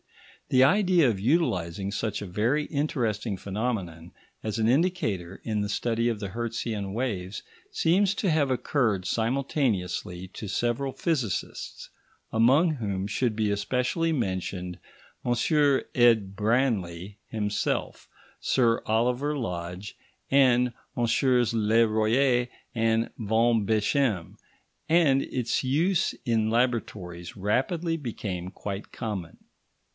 The idea of utilising such a very interesting phenomenon as an indicator in the study of the Hertzian waves seems to have occurred simultaneously to several physicists, among whom should be especially mentioned M. Ed. Branly himself, Sir Oliver Lodge, and MM. Le Royer and Van Beschem, and its use in laboratories rapidly became quite common.